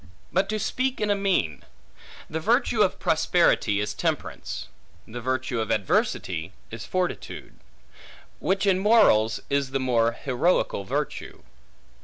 But to speak in a mean. The virtue of prosperity, is temperance; the virtue of adversity, is fortitude; which in morals is the more heroical virtue.